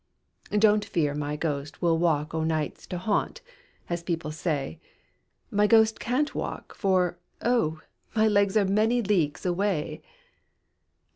"Don't fear my ghost will walk o' nights To haunt, as people say; My ghost can't walk, for, oh! my legs Are many leagues away!